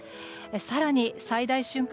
更に最大瞬間